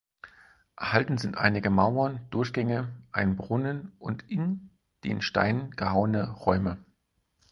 Erhalten sind einige Mauern, Durchgänge, ein Brunnen und in den Stein gehauene Räume.